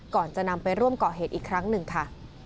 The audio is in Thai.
ก่อนจะนำไปร่วมก่อเหตุอีกครั้งหนึ่งค่ะ